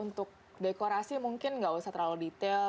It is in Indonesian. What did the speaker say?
untuk dekorasi mungkin nggak usah terlalu detail